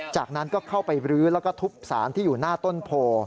จากนั้นก็เข้าไปรื้อแล้วก็ทุบสารที่อยู่หน้าต้นโพ